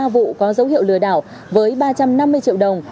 một mươi ba vụ có dấu hiệu lừa đảo với ba trăm năm mươi triệu đồng